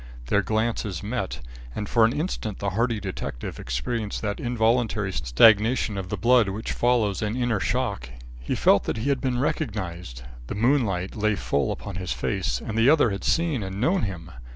Their glances met, and for an instant the hardy detective experienced that involuntary stagnation of the blood which follows an inner shock. He felt that he had been recognised. The moonlight lay full upon his face, and the other had seen and known him.